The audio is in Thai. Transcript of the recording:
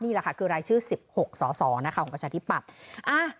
นี่แหละค่ะคือรายชื่อ๑๖สสนะคะของประชาธิปัตย์